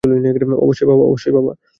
অবশ্যই, বাবা!